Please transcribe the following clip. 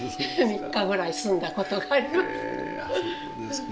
３日ぐらい住んだことがあります。